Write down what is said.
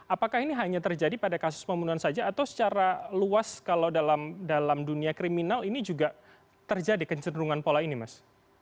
apakah ini hanya terjadi pada kasus pembunuhan saja atau secara luas kalau dalam dunia kriminal ini juga terjadi kecenderungan pola ini mas